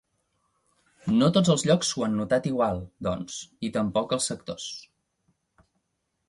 No tots els llocs ho han notat igual, doncs, i tampoc els sectors.